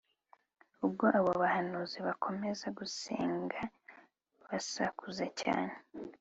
Ubwo abo bahanuzi bakomezaga gusenga basakuza cyane